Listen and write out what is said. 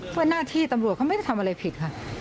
เพื่อหน้าที่ตำรวจเขาไม่ได้ทำอะไรผิดค่ะ